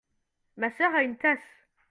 Ma sœur a une tasse.